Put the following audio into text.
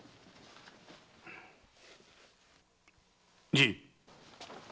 じい！